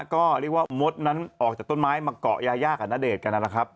ก็เรียกว่ามดนั้นออกจากต้นไม้มาเกาะยายากับณเดชน์กันนั่นแหละครับ